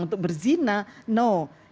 untuk berzinah no